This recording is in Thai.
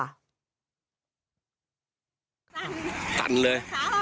ตันเลยขาอ่อนไปหมดเลยค่ะ